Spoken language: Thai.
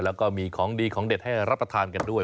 แล้วก็มีของดีของเด็ดให้รับประทานกันด้วย